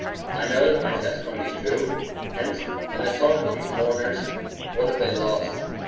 I know that my testimony is true; hence, when I talk to these mourners, what have they lost?